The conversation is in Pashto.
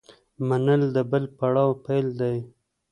منل د بل پړاو پیل دی.